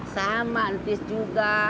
sama entis juga